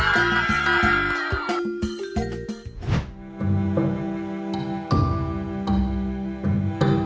ขอบคุณทุกคน